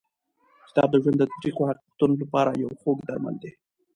کتاب د ژوند د تریخو حقیقتونو لپاره یو خوږ درمل دی.